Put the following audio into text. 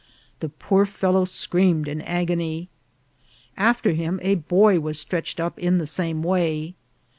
The poor fellow screamed in agony. After him a boy was stretched up in the same way.